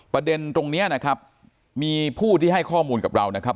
ประเด็นตรงนี้นะครับมีผู้ที่ให้ข้อมูลกับเรานะครับ